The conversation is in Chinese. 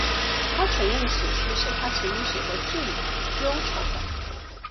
她承认此曲是她曾经写过最忧愁的。